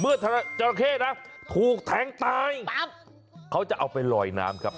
เมื่อจราเข้ถูกแทงตายเขาจะเอาไปลอยน้ำครับ